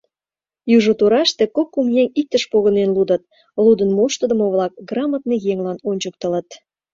Южо тураште кок-кум еҥ иктыш погынен лудыт, лудын моштыдымо-влак грамотный еҥлан ончыктылыт.